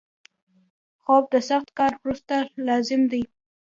خوب د سخت کار وروسته لازم دی